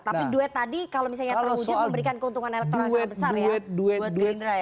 tapi duet tadi kalau misalnya terwujud memberikan keuntungan elektronik yang besar ya